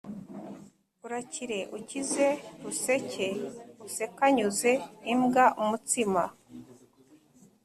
Urakire ukize ruseke usekanyuze imbwa umutsima »